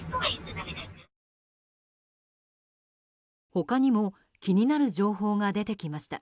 他にも気になる情報が出てきました。